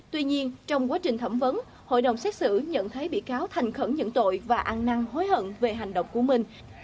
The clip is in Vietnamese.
tuy nhiên trong quá trình thẩm vấn hội đồng xét xử nhận thấy bị cáo thành khẩn nhận tội